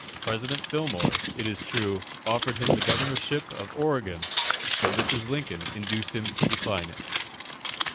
President Fillmore, it is true, offered him the Governorship of Oregon, but Mrs. Lincoln induced him to decline it.